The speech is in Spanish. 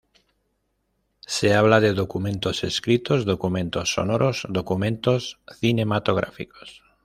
Se habla de documentos escritos, documentos sonoros, documentos cinematográficos.